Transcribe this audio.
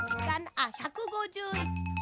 あっ１５１あら？